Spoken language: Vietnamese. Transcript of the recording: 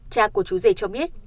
cha của chú rể cho biết